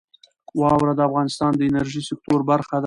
واوره د افغانستان د انرژۍ د سکتور برخه ده.